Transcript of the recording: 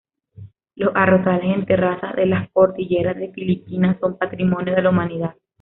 Los Arrozales en terrazas de las cordilleras de Filipinas son Patrimonio de la Humanidad.